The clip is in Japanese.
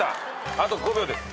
あと５秒です。